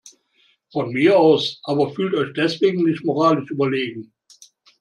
Von mir aus, aber fühlt euch deswegen nicht moralisch überlegen.